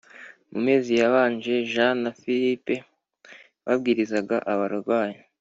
Mu mezi yabanje jean na philip babwirizaga abarwayi